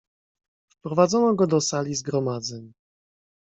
"Wprowadzono go do sali zgromadzeń."